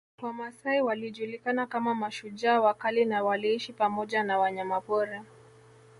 Wamasai walijulikana kama mashujaa wakali na waliishi pamoja na wanyamapori